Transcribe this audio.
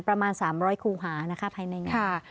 ประมาณ๓๐๐คูหานะคะภายในงาน